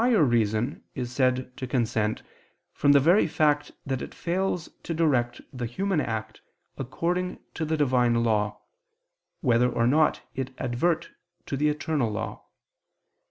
2: The higher reason is said to consent, from the very fact that it fails to direct the human act according to the Divine law, whether or not it advert to the eternal law.